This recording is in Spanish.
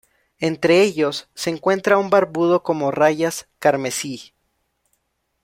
Entre ellos se encuentra un barbudo como rayas carmesí.